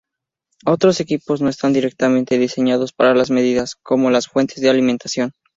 Otros equipos no están directamente diseñados para las medidas, como las fuentes de alimentación.